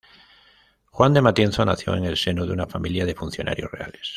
Juan de Matienzo nació en el seno de una familia de funcionarios reales.